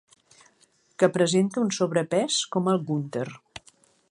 Que presenta un sobrepès, com el Günter.